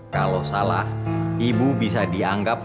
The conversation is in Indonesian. kalau salah ibu bisa dianggap